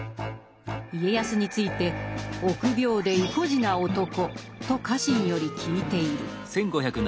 家康について「臆病で依怙地な男」と家臣より聞いている。